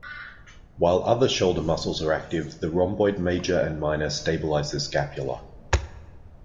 While other shoulder muscles are active, the rhomboid major and minor stabilize the scapula.